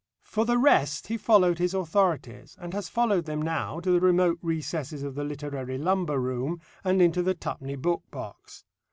For the rest he followed his authorities, and has followed them now to the remote recesses of the literary lumber room and into the twopenny book box.